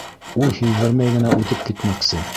Ул һиҙҙермәй генә үтеп китмәксе.